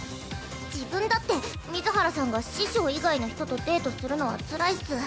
自分だって水原さんが師匠以外の人とデートするのはつらいっス。